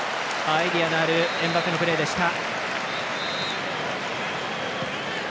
アイデアのあるエムバペのプレーでした。